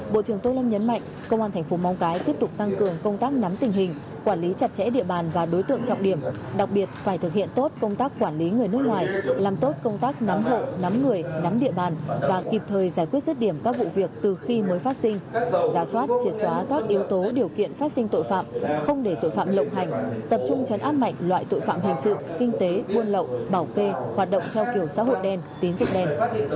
bộ trưởng tô lâm nhấn mạnh công an thành phố mong cái tiếp tục tăng cường công tác nắm tình hình quản lý chặt chẽ địa bàn và đối tượng trọng điểm đặc biệt phải thực hiện tốt công tác quản lý người nước ngoài làm tốt công tác nắm hộ nắm người nắm địa bàn và kịp thời giải quyết rứt điểm các vụ việc từ khi mới phát sinh giả soát triệt xóa các yếu tố điều kiện phát sinh tội phạm không để tội phạm lộng hành tập trung chấn áp mạnh loại tội phạm hành sự kinh tế buôn lộng bảo kê hoạt động theo kiểu xã hội đen